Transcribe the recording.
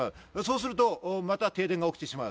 すると、また停電が起きてしまう。